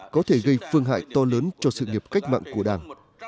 có thể gây phương hại to lớn cho sự nghiệp cách mạng của đảng